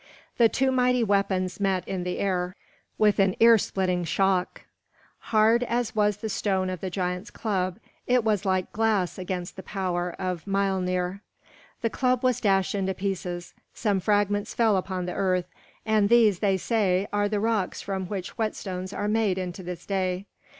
The two mighty weapons met in the air with an earsplitting shock. Hard as was the stone of the giant's club, it was like glass against the power of Miölnir. The club was dashed into pieces; some fragments fell upon the earth; and these, they say, are the rocks from which whetstones are made unto this day.